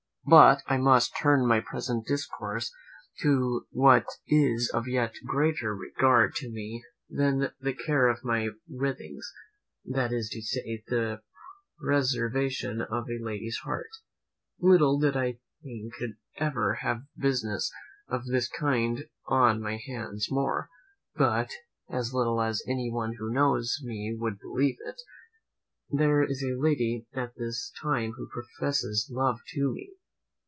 But I must turn my present discourse to what is of yet greater regard to me than the care of my writings; that is to say, the preservation of a lady's heart. Little did I think I should ever have business of this kind on my hands more; but, as little as any one who knows me would believe it, there is a lady at this time who professes love to me.